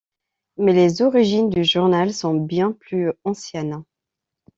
Mais les origines du journal sont bien plus anciennes.